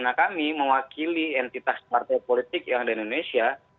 nah kami mewakili entitas partai politik yang ada di indonesia